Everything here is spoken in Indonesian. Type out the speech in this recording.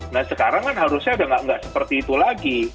nah sekarang kan harusnya udah nggak seperti itu lagi